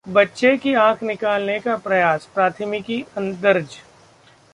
बच्चे की आंख निकालने का प्रयास, प्राथमिकी दर्ज